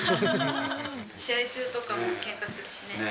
試合中とかも、けんかするしね。